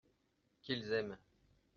Qu’ils aiment.